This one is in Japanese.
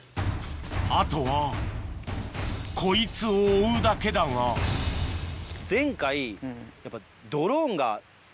あとはこいつを追うだけだが前回やっぱ。